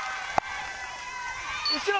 後ろ！